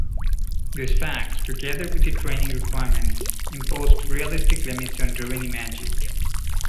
These facts, together with the training requirement, impose realistic limits on Deryni magic.